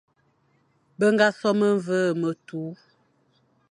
Be ñga sô memveghe ve tu,